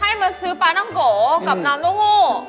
ให้มาซื้อปลาน้องโกกับน้ำนกหู้